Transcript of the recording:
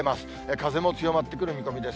風も強まってくる見込みです。